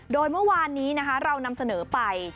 โดยเมื่อวานนี้เรานำเสนอไป